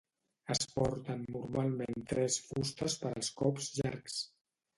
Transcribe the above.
Es porten normalment tres fustes per als cops llargs.